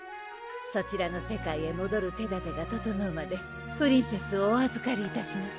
そちらの世界へもどる手だてが整うまでプリンセスをおあずかりいたします